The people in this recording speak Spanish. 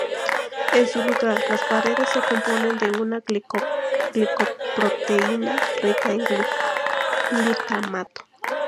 En su lugar, las paredes se componen de una glicoproteína rica en glutamato.